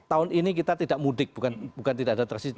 tahun ini kita tidak mudik bukan tidak ada transisi